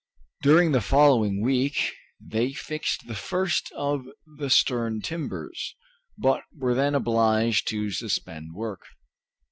During the following week they fixed the first of the stern timbers, but were then obliged to suspend work.